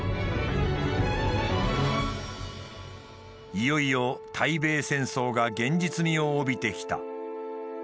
いよいよ対米戦争が現実味を帯びてきた。